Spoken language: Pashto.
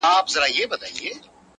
چې تاسو یې حوالې ذکر کړې وای